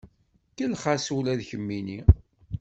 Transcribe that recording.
Kellex-as ula d kemmini.